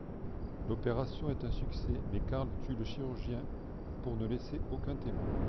L'opération est un succès mais Carl tue le chirurgien pour ne laisser aucun témoin.